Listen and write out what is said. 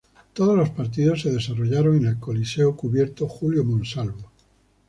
Todos los partidos se desarrollaron en el Coliseo Cubierto Julio Monsalvo.